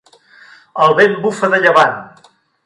El vent bufa de llevant.